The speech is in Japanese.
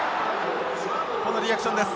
このリアクションです。